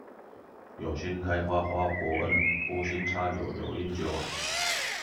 有新開花花伯恩、無心插柳柳英九